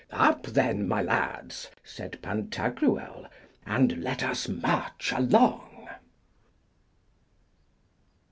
Up then, my lads, said Pantagruel, and let us march along.